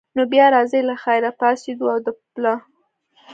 نو بیا راځئ له خیره، پاڅېدو او د پله.